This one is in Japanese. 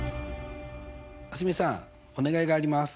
蒼澄さんお願いがあります。